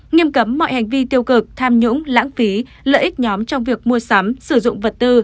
nghiêm cấm mọi hành vi tiêu cực tham nhũng lãng phí lợi ích nhóm trong việc mua sắm sử dụng vật tư